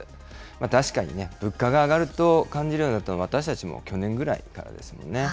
確かにね、物価が上がると感じるようになったのは、私たちも去年ぐらいからですものね。